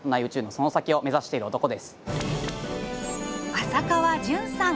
浅川純さん。